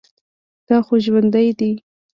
دا خو ژوندى دى.